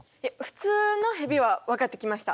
普通のヘビは分かってきました。